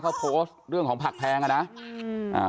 เขาโพสต์เรื่องของผักแพงก่อนนะ